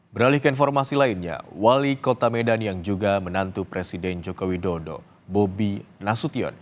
beralih ke informasi lainnya wali kota medan yang juga menantu presiden joko widodo bobi nasution